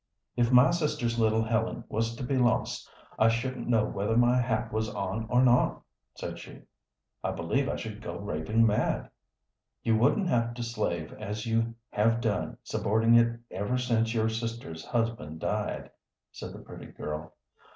"If my sister's little Helen was to be lost I shouldn't know whether my hat was on or not," said she. "I believe I should go raving mad." "You wouldn't have to slave as you have done supportin' it ever since your sister's husband died," said the pretty girl.